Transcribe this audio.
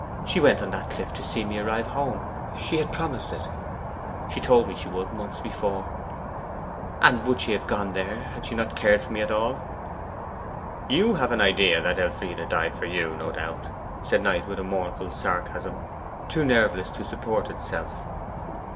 'She went on that cliff to see me arrive home: she had promised it. She told me she would months before. And would she have gone there if she had not cared for me at all?' 'You have an idea that Elfride died for you, no doubt,' said Knight, with a mournful sarcasm too nerveless to support itself.